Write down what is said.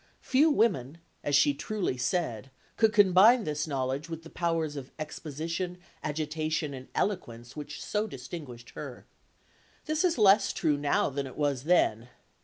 Few women, as she truly said, could combine this knowledge with the powers of exposition, agitation and eloquence which so distinguished her. This is less true now than it was then.